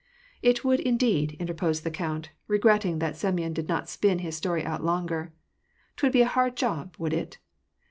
" It would, indeed," interposed the count, regretting that Semyon did not spin his story out longer. " 'Twould be a hard job, would it